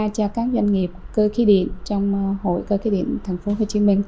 cho các doanh nghiệp cơ khí điện trong hội cơ khí điện tp hcm